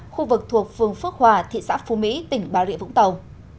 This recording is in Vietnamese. khu vực thuộc phường phước hòa thị xã phú mỹ tỉnh bà rịa vũng tàu